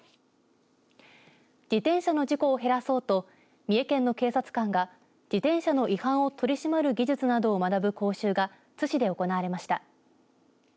自転車の事故を減らそうと三重県の警察官が自転車の違反を取り締まる技術などを学ぶ講習が津市で行われました。